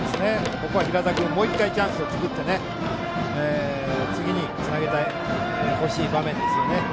ここは平田君もう１回チャンスを作って次につなげてほしい場面ですね。